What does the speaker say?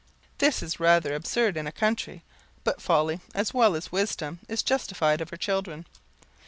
This is rather absurd in a country, but Folly, as well as Wisdom, is justified of her children.